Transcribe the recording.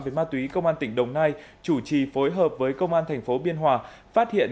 về ma túy công an tỉnh đồng nai chủ trì phối hợp với công an thành phố biên hòa phát hiện